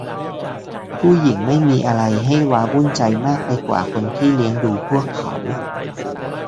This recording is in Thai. ผู้หญิงไม่มีอะไรให้ว้าวุ่นใจมากไปกว่าคนที่เลี้ยงดูพวกเขา